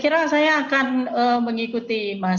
karena saya juga ingin mengikuti mas adi